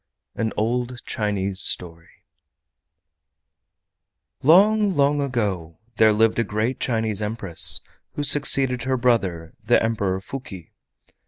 AN OLD CHINESE STORY Long, long ago there lived a great Chinese Empress who succeeded her brother the Emperor Fuki.